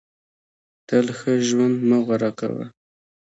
تل ښه ژوند مه غوره کوه.